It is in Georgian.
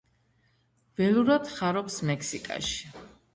ველურად ხარობს მექსიკაში.